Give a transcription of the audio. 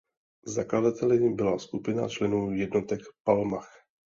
Zakladateli byla skupina členů jednotek Palmach.